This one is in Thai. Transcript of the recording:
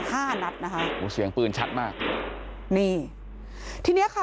ห้านัดนะคะเซียงปืนชัดมากนี่ทีนี้ค่ะ